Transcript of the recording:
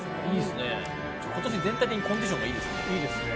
今年、全体的にコンディションがいいですね。